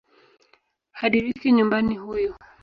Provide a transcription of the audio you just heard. Hadiriki nyumbani huyu